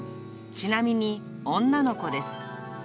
ちなみに、女の子です。